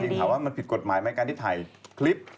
ถามว่ามันผิดกฎหมายไหมการที่ถ่ายคลิป